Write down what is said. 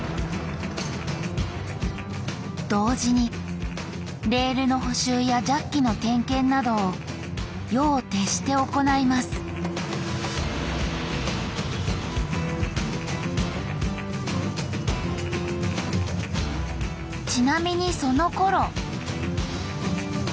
同時にレールの補修やジャッキの点検などを夜を徹して行いますちなみにそのころ！